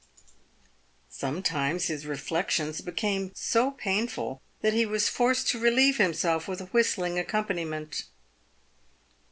Sometimes his reflections became so painful that he was forced to relieve himself with a whistling accompaniment.